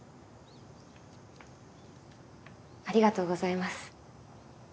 ありがとうございます。